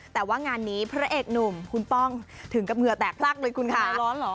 แต่ว่างานนี้พระเอกหนุ่มคุณป้องถึงกับเหงื่อแตกพลักเลยคุณค่ะร้อนเหรอ